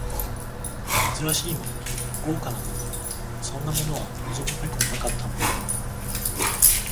珍しいもの、豪華なもの、そんなものは望むべくもなかったので、